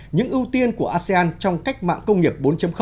những ưu tiên của asean trong cách mạng công nghiệp bốn